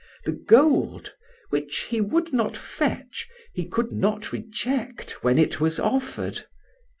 The gold, which he would not fetch, he could not reject when it was offered.